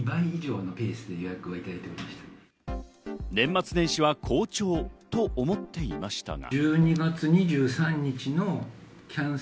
年末年始は好調と、思っていましたが。